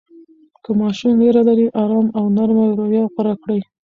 که ماشوم ویره لري، آرام او نرمه رویه غوره کړئ.